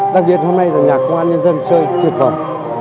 đặc biệt hôm nay là nhạc công an nhân dân chơi tuyệt vời